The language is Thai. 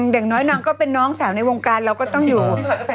อย่างน้อยนางก็เป็นน้องสาวในวงการเราก็ต้องอยู่